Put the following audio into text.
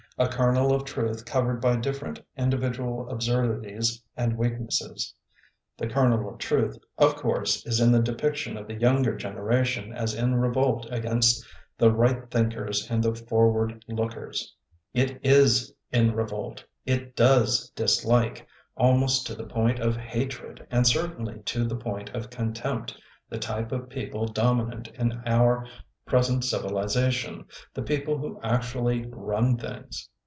a kernel of truth covered by different individual absurdities and weaknesses. The kernel of truth, of course, is in the depiction of the younger genera tion as in revolt against the right thinkers and the forward lookers. It 18 in revolt; it does dislike, almost to the point of hatred and certainly to the point of contempt, the type of peo ple dominant in our present civiliza tion, the people who actually "run things".